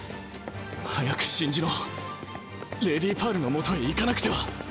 早く真珠のレディパールのもとへ行かなくては。